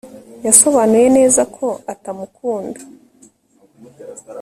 Yasobanuye neza ko atamukunda